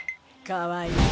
かわいい。